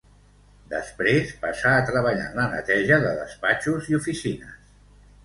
Després passà a treballar en la neteja de despatxos i oficines.